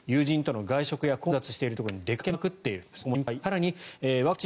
友人との外食や混雑しているところに出かけまくっている。